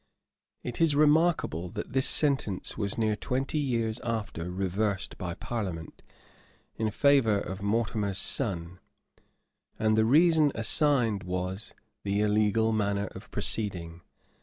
It is remarkable, that this sentence was near twenty years after reversed by parliament, in favor of Mortimer's son; and the reason assigned was, the illegal manner of proceeding.